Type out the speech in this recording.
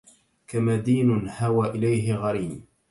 كمدين هوى إليه غريم